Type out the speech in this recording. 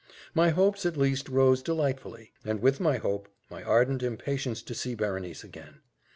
My hopes, at least, rose delightfully; and with my hope, my ardent impatience to see Berenice again.